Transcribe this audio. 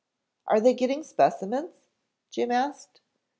"Are they getting specimens?" Jim asked.